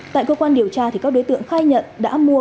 tại cơ quan điều tra các đối tượng khai nhận đã mua các loại hàng giả